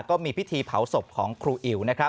ก็มีพิธีเผาศพของครูอิ๋ว